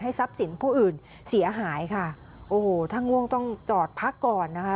ทรัพย์สินผู้อื่นเสียหายค่ะโอ้โหถ้าง่วงต้องจอดพักก่อนนะคะ